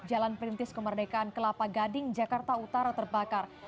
jalan perintis kemerdekaan kelapa gading jakarta utara terbakar